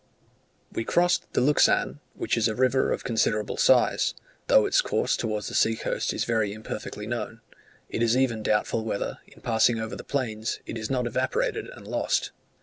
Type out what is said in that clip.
We crossed the Luxan, which is a river of considerable size, though its course towards the sea coast is very imperfectly known: it is even doubtful whether, in passing over the plains, it is not evaporated and lost.